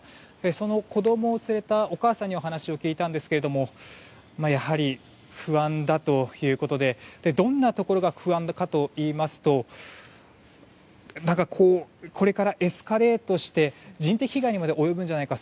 その子供を連れたお母さんにお話を聞いたんですがやはり、不安だということでどんなところが不安かといいますとこれからエスカレートして人的被害にまで及ぶんじゃないか。